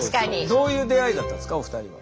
どういう出会いだったんですかお二人は。